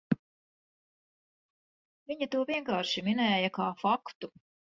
Viņa to vienkārši minēja kā faktu.